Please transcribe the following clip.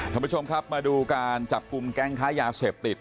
ท่านผู้ชมครับมาดูการจับกลุ่มแก๊งค้ายาเสพติด